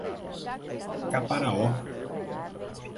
Caparaó